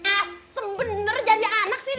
asem bener jadi anak sih